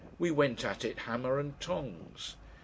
We went at it hammer and tongs!